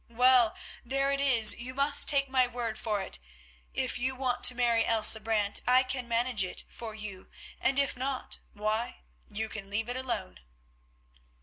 Well, there it is, you must take my word for it. If you want to marry Elsa Brant, I can manage it for you, and if not, why, you can leave it alone."